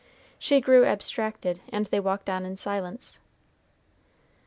She grew abstracted, and they walked on in silence.